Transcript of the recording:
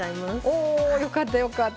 およかったよかった。